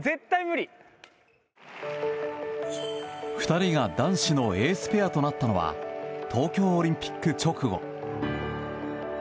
２人が男子のエースペアとなったのは東京オリンピック直後。